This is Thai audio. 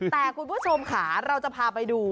แต่คุณผู้ชมค่ะเราจะพาไปดู